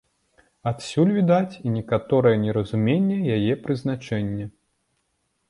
Адсюль, відаць, і некаторае неразуменне яе прызначэння.